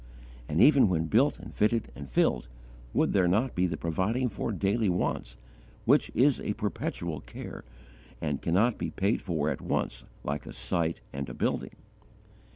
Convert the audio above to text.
And, even when built and fitted and filled, would there not be the providing for daily wants, which is a perpetual care, and cannot be paid for at once like a site and a building?